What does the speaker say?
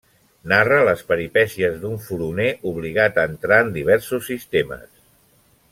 Narra les peripècies d'un furoner obligat a entrar en diversos sistemes.